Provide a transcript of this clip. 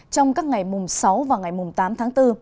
trong các ngày mùng sáu và ngày mùng tám tháng bốn